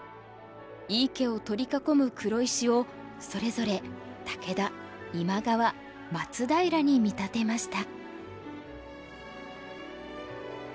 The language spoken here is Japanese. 井伊家を取り囲む黒石をそれぞれ武田今川松平に見立てました。